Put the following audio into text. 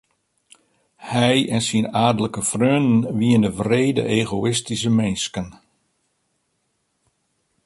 Hy en syn aadlike freonen wiene wrede egoïstyske minsken.